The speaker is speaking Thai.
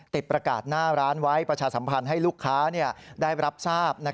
ประกาศหน้าร้านไว้ประชาสัมพันธ์ให้ลูกค้าได้รับทราบ